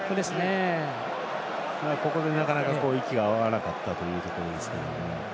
ここでなかなか息が合わなかったというところですけれども。